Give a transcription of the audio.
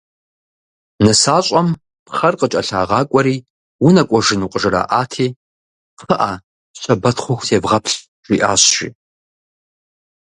Нысащӏэм пхъэр къыкӏэлъагъакӏуэри «унэкӏуэжыну?» къыжыраӏати, «Кхъыӏэ, щэбэт хъуху севгъэплъ», жиӏащ жи.